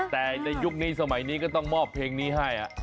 แต่ในยุคนี้สมัยนี้ก็ต้องมอบเพลงนี้ให้